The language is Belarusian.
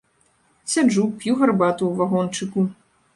Сяджу, п'ю гарбату ў вагончыку.